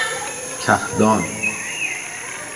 کهدان